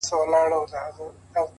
نه به سر ته وي امان د غریبانو-